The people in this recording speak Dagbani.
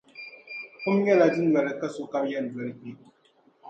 Kum nyɛla dunoli ka sokam yɛn doli kpe.